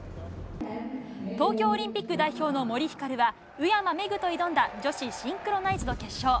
東京オリンピック代表の森ひかるは宇山芽紅と挑んだ女子シンクロナイズド決勝。